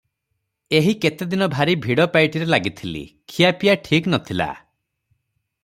ଏହି କେତେ ଦିନ ଭାରି ଭିଡ଼ ପାଇଟିରେ ଲାଗିଥିଲି, ଖିଆପିଆ ଠିକ୍ ନ ଥିଲା ।